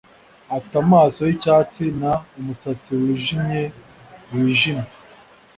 Afite amaso yicyatsi n umusatsi wijimye wijimye